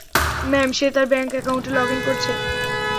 Ma'am, সে তার bank অ্যাকাউন্টে লগ ইন করছে।